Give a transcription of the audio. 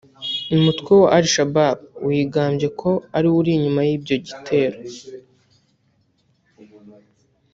umutwe wa Al Shabaab wigambye ko ari wo uri inyuma y’ibyo gitero